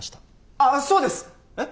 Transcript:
ああそうです！えっ？